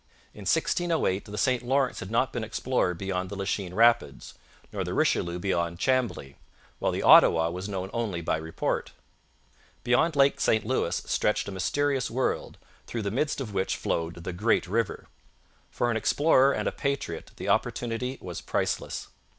In 1608 the St Lawrence had not been explored beyond the Lachine Rapids, nor the Richelieu beyond Chambly while the Ottawa was known only by report. Beyond Lake St Louis stretched a mysterious world, through the midst of which flowed the Great River. For an explorer and a patriot the opportunity was priceless.